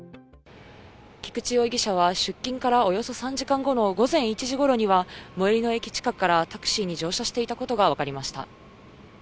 菊池容疑者は、出勤からおよそ３時間後の午前１時ごろには、最寄りの駅近くから、タクシーに乗車していたことが分かりました。